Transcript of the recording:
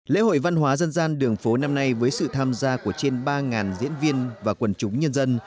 lễ hội văn hóa dân gian đường phố năm nay với sự tham gia của trên ba diễn viên và quần chúng nhân dân